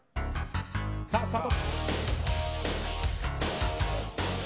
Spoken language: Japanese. さあ、スタート！